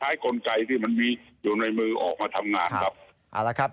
ใช้กรณีไว้มีอยู่ในมือต้องทำงาน